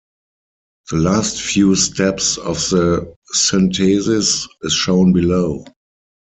The last few steps of the synthesis is shown below.